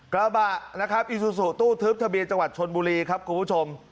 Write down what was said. กระบะอิซูสูตู้ทึบทะเบียจชนบุรีครับคุณผู้ชม